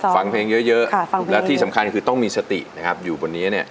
ฟังเพลงเยอะและที่สำคัญคือต้องมีสตินะครับอยู่บนนี้เนี่ย